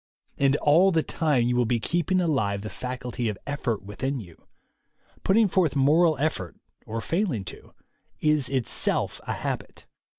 And all the time you will be 78 THE WAY TO WILL POWER keeping alive the faculty of effort within you. Put ting forth moral effort, or failing to, is itself a habit.